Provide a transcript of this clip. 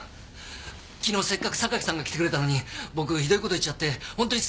昨日せっかく榊さんが来てくれたのに僕ひどい事言っちゃって本当にすみませんでした。